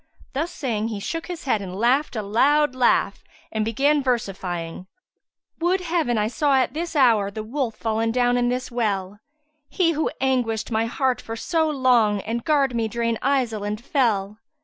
Saying thus, he shook his head and laughed a loud laugh and began versifying, "Would Heaven I saw at this hour * The Wolf fallen down in this well, He who anguisht my heart for so long, * And garred me drain eisel and fel!